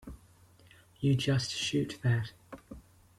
You just shoot that.